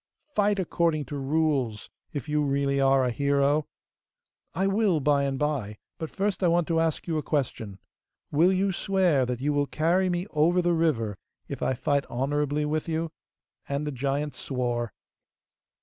Fight according to rules, if you really are a hero!' 'I will by and by, but first I want to ask you a question! Will you swear that you will carry me over the river if I fight honourably with you?' And the giant swore.